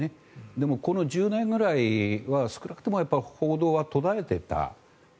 でも、この１０年ぐらいは少なくとも報道は途絶えていた。